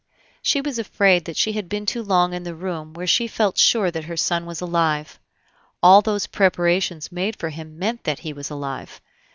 She was afraid that she had been too long in the room where she felt sure that her son was alive; all those preparations made for him meant that he was alive.